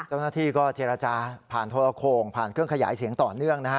เจ้าหน้าที่ก็เจรจาผ่านโทรโขงผ่านเครื่องขยายเสียงต่อเนื่องนะฮะ